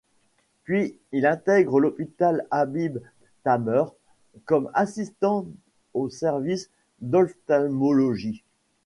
Puis, il intègre l'hôpital Habib-Thameur comme assistant au service d'ophtalmologie.